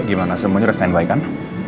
ya gimana semua sudah standby kan